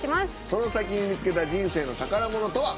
その先に見つけた人生の宝物とは。